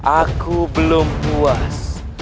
aku belum puas